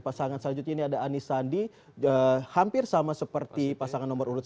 pasangan selanjutnya ada anisandi the hampir sama seperti pasangan nomor urut